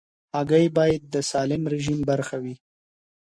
هګۍ باید د سالم رژیم برخه وي.